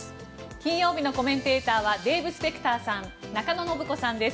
金曜日のコメンテーターはデーブ・スペクターさん中野信子さんです。